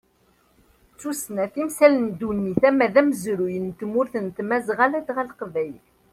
D tussna, timsal n ddunit ama d amezruy n tmurt n tmazɣa ladɣa leqbayel.